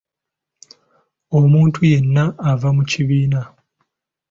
Omuntu yenna ava mu kibiina .